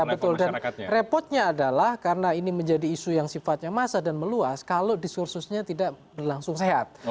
nah betul dan repotnya adalah karena ini menjadi isu yang sifatnya massa dan meluas kalau diskursusnya tidak berlangsung sehat